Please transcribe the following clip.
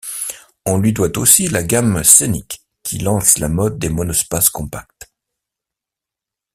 On lui doit aussi la gamme Scénic, qui lance la mode des monospaces compacts.